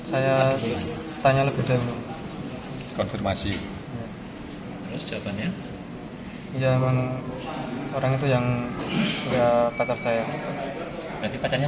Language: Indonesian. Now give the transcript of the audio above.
saya tanya lebih dulu konfirmasi jawabannya orang yang enggak pacar saya jadi pacarnya